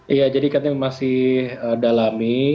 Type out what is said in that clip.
iya jadi kami masih dalami